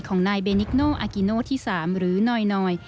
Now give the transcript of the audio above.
ของนายเบนิกโนอากิโน่ที่๓หรือน้อย